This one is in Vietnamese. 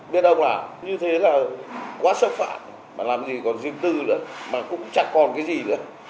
biết ông ả như thế là quá xâm phạm mà làm gì còn riêng tư nữa mà cũng chẳng còn cái gì nữa